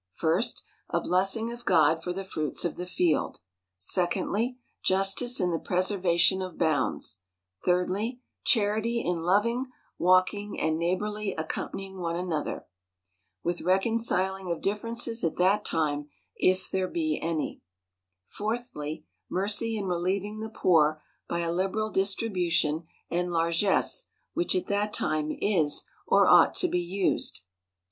First, a blessing of God for the fruits of the field : secondly, justice in the preservation of bounds : thirdly, charity in loving, walking, and neighborly accompany ing one another ; with reconciling of diflFerences at that time, if there be any : fourthly, mercy in relieving the poor by a liberal distribution and largess, which at that time is or ought to be used.